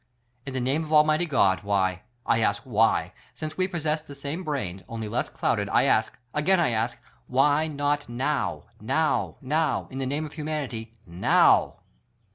In the name of Almighty God, why — I ask, why — since we possess the same brain — only less clouded — I ask: A.gain I ask: VVhy not now, now, now! — in the name of humanity, now!